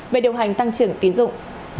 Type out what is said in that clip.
về điều hành tăng trưởng tín dụng